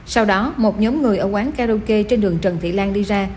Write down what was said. sau đó một nhóm người ở quán karaoke trên đường trần thị lan đi ra